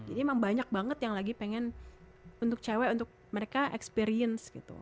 jadi emang banyak banget yang lagi pengen untuk cewek untuk mereka experience gitu